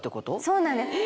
そうなんです。